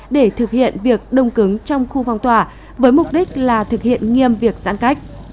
để thực hiện việc đông cứng trong khu phong tỏa với mục đích là thực hiện nghiêm việc giãn cách